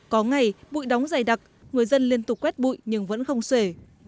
có ngày bụi đóng dày đặc người dân liên tục quét bụi nhưng vẫn không sể